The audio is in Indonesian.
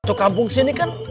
untuk kabung sini kan